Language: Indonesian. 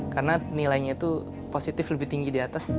karena nilainya itu positif lebih tinggi di atas